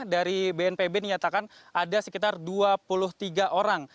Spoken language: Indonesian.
dari bnpb dinyatakan ada sekitar dua puluh tiga orang